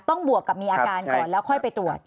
บวกกับมีอาการก่อนแล้วค่อยไปตรวจ